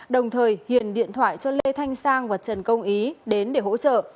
đồng thời hiền điện thoại cho lê thanh sang và trần công ý đến để hỗ trợ